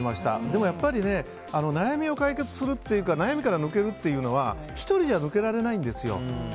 でも、悩みを解決するというか悩みから抜けるというのは１人じゃ抜けられないんですよ。